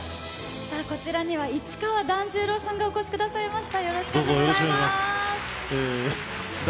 さあ、こちらには市川團十郎さんがお越しくださいました。